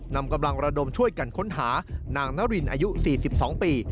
นำกำลังระดมช่วยกันค้นหานางนารินอายุ๔๒ปี